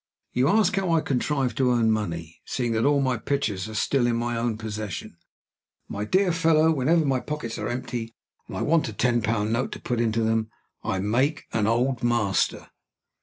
You ask how I contrive to earn money, seeing that all my pictures are still in my own possession. My dear fellow, whenever my pockets are empty, and I want a ten pound note to put into them, I make an Old Master."